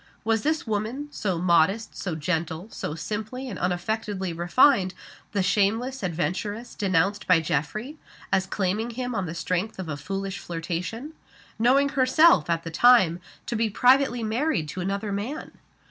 Was this woman so modest, so gentle, so simply and unaffectedly refined the shameless adventuress denounced by Geoffrey, as claiming him on the strength of a foolish flirtation; knowing herself, at the time, to be privately married to another man?